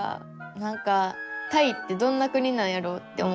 なんかタイってどんな国なんやろって思った。